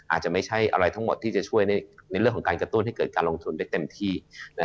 อาจจะไม่ใช่อะไรทั้งหมดที่จะช่วยในเรื่องของการกระตุ้นให้เกิดการลงทุนได้เต็มที่